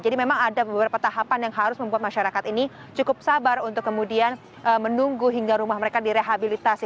jadi memang ada beberapa tahapan yang harus membuat masyarakat ini cukup sabar untuk kemudian menunggu hingga rumah mereka direhabilitasi